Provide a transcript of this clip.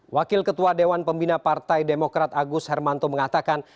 wakil ketua dewan pembina partai demokrat agus hermanto mengatakan